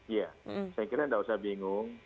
iya saya kira tidak usah bingung